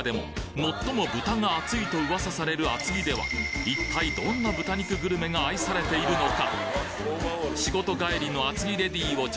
最も豚が熱いと噂される厚木では一体どんな豚肉グルメが愛されているのか？